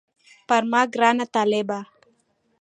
پر ما ګران طالبه